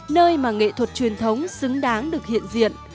nơi mà nghệ thuật truyền thống xứng đáng được hiện diện